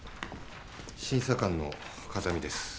審査官の風見です。